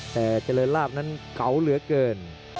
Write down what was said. แต่เจริญลาบนั้นเก่าเหลือเกิน